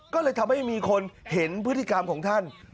ก็เลยทำให้มีคนเห็นพฤติกรรมของท่าน